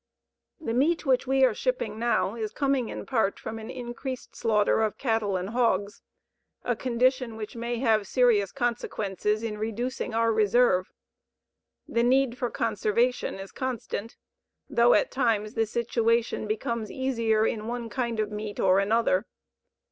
The meat which we are shipping now is coming in part from an increased slaughter of cattle and hogs, a condition which may have serious consequences in reducing our reserve. The need for conservation is constant, though at times the situation becomes easier in one kind of meat or another.